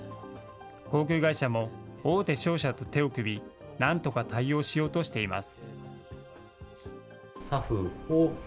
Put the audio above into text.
航空会社も、大手商社と手を組み、なんとか対応しようとしています。